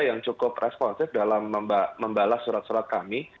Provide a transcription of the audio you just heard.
yang cukup responsif dalam membalas surat surat kami